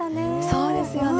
そうですよね。